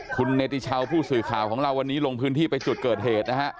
คุณเนติชาวผู้สื่อข่าวของเราวันนี้ลงพื้นที่ไปจุดเกิดเหตุนะฮะ